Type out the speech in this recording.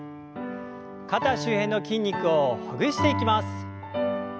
肩周辺の筋肉をほぐしていきます。